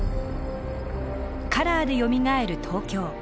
「カラーでよみがえる東京」。